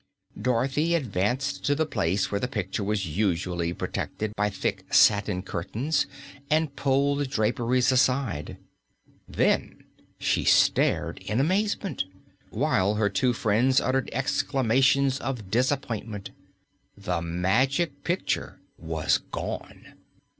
Dorothy advanced to the place where the picture was usually protected by thick satin curtains and pulled the draperies aside. Then she stared in amazement, while her two friends uttered exclamations of disappointment. The Magic Picture was gone.